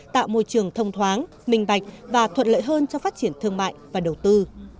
tạo môi trường thông thoáng minh bạch và thuận lợi hơn cho phát triển thương mại và đầu tư